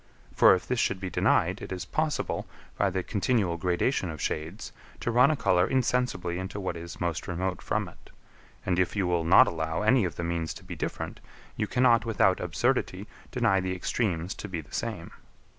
For if this should be denied, it is possible, by the continual gradation of shades, to run a colour insensibly into what is most remote from it; and if you will not allow any of the means to be different, you cannot, without absurdity, deny the extremes to be the same.